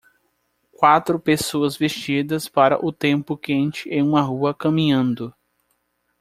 Quatro pessoas vestidas para o tempo quente em uma rua caminhando.